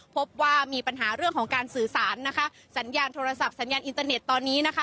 พบว่ามีปัญหาเรื่องของการสื่อสารนะคะสัญญาณโทรศัพท์สัญญาณอินเตอร์เน็ตตอนนี้นะคะ